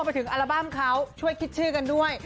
ไปถึงอัลบั้มเขาช่วยคิดชื่อกันด้วย